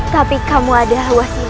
tapi kamu adalah wasilah